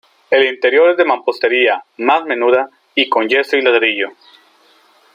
El interior es de mampostería más menuda y con yeso y ladrillo.